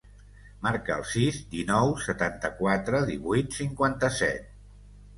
Marca el sis, dinou, setanta-quatre, divuit, cinquanta-set.